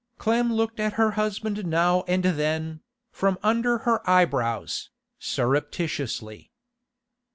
Clem looked at her husband now and then, from under her eyebrows, surreptitiously.